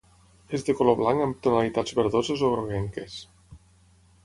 És de color blanc amb tonalitats verdoses o groguenques.